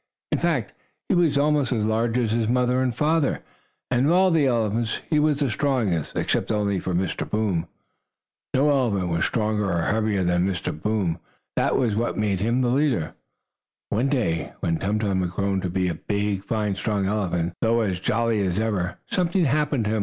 In fact, he was almost as large as his father and mother, and of all the elephants he was the strongest, except only Mr. Boom. No elephant was stronger or braver than Mr. Boom. That was what made him the leader. One day, when Tum Tum had grown to be a big, fine strong elephant, though as jolly as ever, something happened to him.